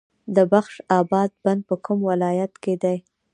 د بخش اباد بند په کوم ولایت کې دی؟